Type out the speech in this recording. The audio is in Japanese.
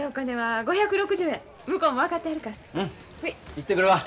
行ってくるわ。